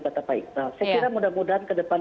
kata pak iqbal saya kira mudah mudahan ke depan